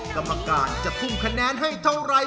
กรรมการจะทุ่มคะแนนให้เท่าไร